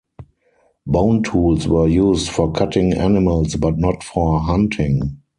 Bone tools were used for cutting animals but not for hunting.